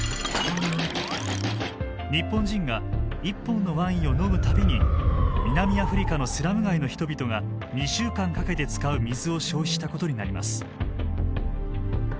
日本人が１本のワインを飲む度に南アフリカのスラム街の人々が２週間かけて使う水を消費したことになります。